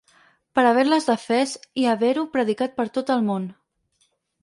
Per haver-les defès i haver-ho predicat per tot el món.